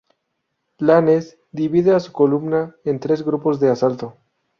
Lannes divide a su columna en tres grupos de asalto.